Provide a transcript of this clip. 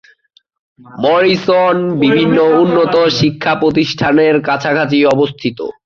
Morrison বিভিন্ন উন্নত শিক্ষা প্রতিষ্ঠানের কাছাকাছি অবস্থিত।